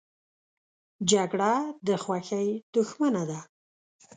جګړه د خوښۍ دښمنه ده